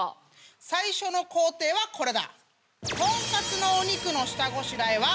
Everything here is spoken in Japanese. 最初の工程はこれだ！